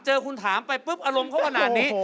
เจอคุณถามไปปุ๊บอารมณ์เขาขนาดนี้